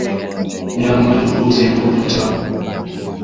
Nyama ya mbuzi iko butamu